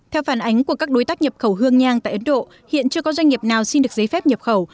theo phản ánh của các đối tác nhập khẩu hương nhang tại ấn độ hiện chưa có doanh nghiệp nào xin được giấy phép nhập khẩu